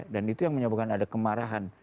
dan itu yang menyebabkan ada kemarahan